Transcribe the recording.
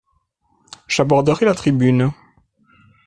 J’aborderais la tribune !…